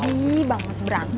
hobi banget berantem